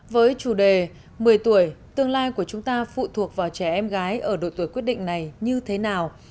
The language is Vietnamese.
với chủ đề một mươi tuổi tương lai của chúng ta phụ thuộc vào trẻ em gái ở độ tuổi quyết định này như thế nào